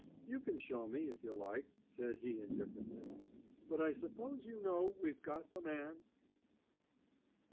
"You can show me if you like," said he indifferently. "But I suppose you know we've got the man?"